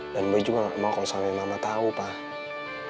dan boy juga gak mau kalau suaminya mama tahu pak